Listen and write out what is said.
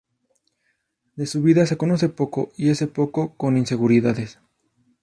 De su vida se conoce poco y ese poco con inseguridades.